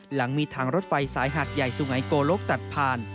หลังมีทางรถไฟสายหาดใหญ่สุงัยโกลกตัดผ่าน